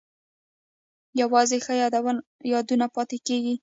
یوازې ښه یادونه پاتې کیږي؟